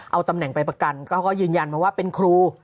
เอาตำแหน่งไปประกันเขาก็ยืนยันมาว่าเป็นครู